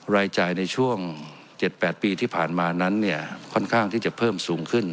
รายจ่ายในช่วง๗๘ปีที่ผ่านมานั้นเนี่ยค่อนข้างที่จะเพิ่มสูงขึ้น